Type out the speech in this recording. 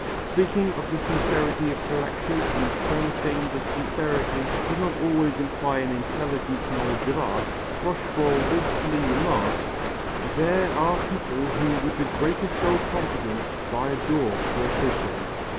Speaking of the sincerity of collectors and premising that sincerity does not always imply an intelligent knowledge of art, Rochefort wittily remarks: "There are people who with the greatest self confidence buy a daub for a Titian."